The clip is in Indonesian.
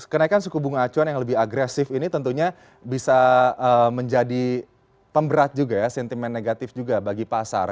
kenaikan suku bunga acuan yang lebih agresif ini tentunya bisa menjadi pemberat juga ya sentimen negatif juga bagi pasar